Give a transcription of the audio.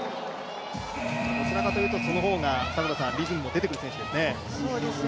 どちらかというと、その方がリズムも出てくる選手ですね。